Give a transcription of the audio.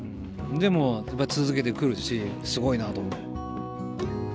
でもやっぱり続けて来るしすごいなと思う。